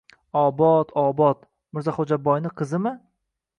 — Obod, Obod... Mirzaxo‘jaboyni qizimi?